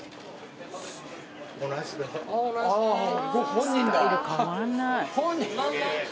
本人だ。